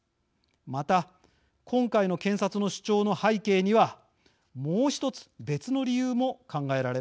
また今回の検察の主張の背景にはもう一つ別の理由も考えられます。